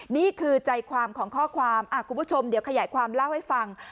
นี่คือใจความของข้อความคุณผู้ชมเดี๋ยวขยายความเล่าให้ฟัง